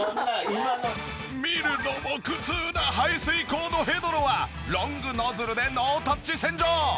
見るのも苦痛な排水口のヘドロはロングノズルでノータッチ洗浄！